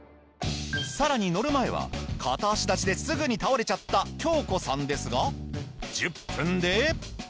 さらに乗る前は片足立ちですぐに倒れちゃった恭子さんですが１０分で。